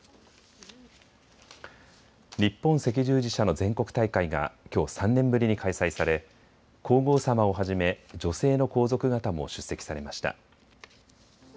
日本赤十字社の全国大会がきょう３年ぶりに開催され皇后さまをはじめ女性の皇族方も出席されました。